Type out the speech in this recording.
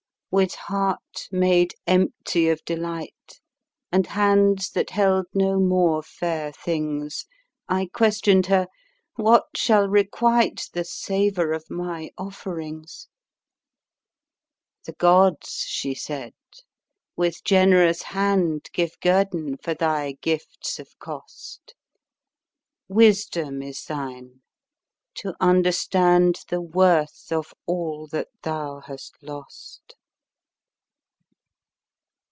With heart made empty of delight. And hands that held no more fair things, I questioned her —" What shall requite The savour of my offerings 1 "" The Gods," she said, " with generous hand Give guerdon for thy gifts of cost — Wisdom is thine — ^to understand The worth of all that thou hast lost